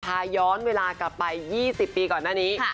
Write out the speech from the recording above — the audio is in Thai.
พาย้อนเวลากลับไป๒๐ปีก่อนหน้านี้